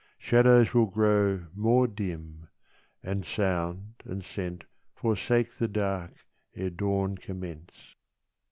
Shadows will grow more dim, And sound and scent forsake The dark ere dawn commence.